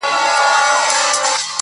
• په سړو اوبو د ډنډ کي لمبېدلې -